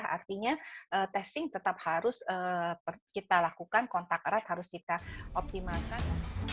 artinya testing tetap harus kita lakukan kontak erat harus kita optimalkan